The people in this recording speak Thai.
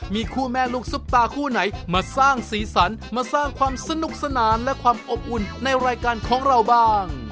มีคู่แม่ลูกซุปตาคู่ไหนมาสร้างสีสันมาสร้างความสนุกสนานและความอบอุ่นในรายการของเราบ้าง